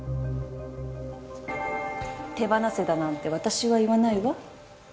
手放せだなんて私は言わないわ